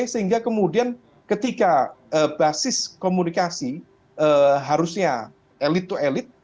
sehingga kemudian ketika basis komunikasi harusnya elite to elite